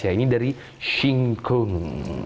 ya ini dari shingkung